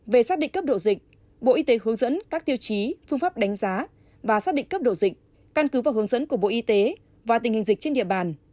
về xác định cấp độ dịch bộ y tế hướng dẫn các tiêu chí phương pháp đánh giá và xác định cấp độ dịch căn cứ vào hướng dẫn của bộ y tế và tình hình dịch trên địa bàn